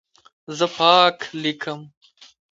زه پاک لیکم.